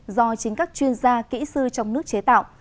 do chính các chuyên gia kỹ sư trong nước chế tạo